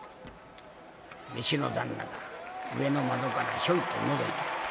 食の旦那が上の窓からひょいとのぞいた。